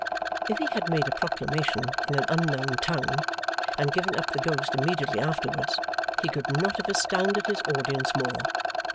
If he had made a proclamation in an unknown tongue, and given up the ghost immediately afterwards, he could not have astounded his audience more.